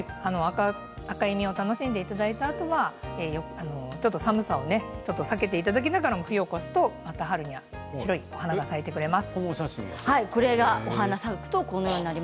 赤い実を楽しんでいただいたあとは寒さを避けていただきながら冬を越すとまた春には白いお花が咲いてくれます。